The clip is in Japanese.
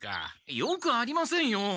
よくありませんよ！